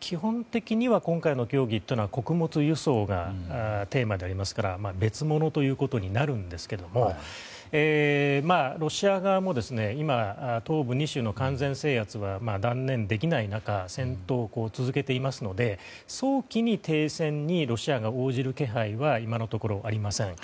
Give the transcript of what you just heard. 基本的には今回の協議というのは穀物輸送がテーマですから別物ということになるんですがロシア側も今、東部２州の完全制圧は断念できない中戦闘を続けていますので早期に停戦にロシアが応じる気配は今のところありません。